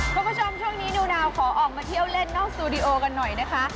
คุณผู้ชมช่วงนี้นิวนาวขอออกมาเที่ยวเล่นนอกสตูดิโอกันหน่อยนะคะ